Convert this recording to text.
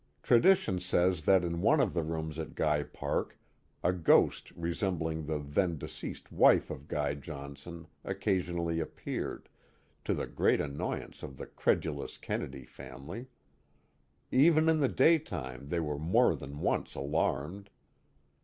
Tradition says that in one of the rooms at Guy Park a ghost resembling the then deceased wife of Guy Johnson oc casionally appeared, to the great annoyance of the credulous Kennedy family. Even in the daytime they were more than once alarmed.